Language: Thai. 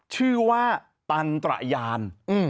ชื่อว่าตันตระยาน